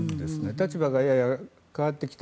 立場がやや変わってきた。